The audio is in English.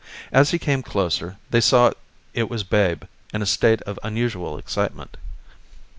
As he came closer they saw it was Babe in a state of unusual excitement.